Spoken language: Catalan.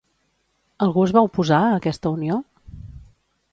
Algú es va oposar a aquesta unió?